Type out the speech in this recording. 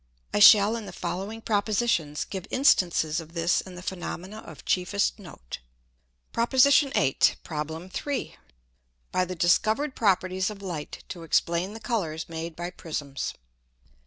I shall in the following Propositions give instances of this in the Phænomena of chiefest note. PROP. VIII. PROB. III. _By the discovered Properties of Light to explain the Colours made by Prisms.